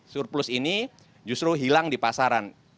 surplus ini justru hilang di pasaran